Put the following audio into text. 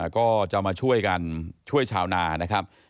ก็จะมาช่วยกันช่วยชาวนานะครับ